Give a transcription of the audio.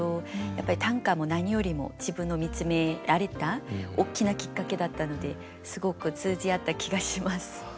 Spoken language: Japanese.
やっぱり短歌も何よりも自分を見つめられた大きなきっかけだったのですごく通じ合った気がします。